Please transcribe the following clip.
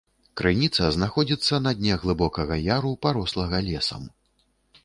Крыніца знаходзіцца на дне глыбокага яру, парослага лесам.